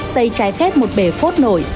xây trái phép một bể phốt nổi